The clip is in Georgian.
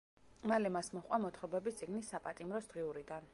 მალე მას მოჰყვა მოთხრობების წიგნი „საპატიმროს დღიურიდან“.